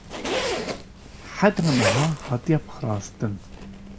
heta niha hatiye parastin